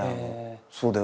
そうだよ。